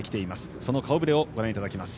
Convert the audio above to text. その顔ぶれをご覧いただきます。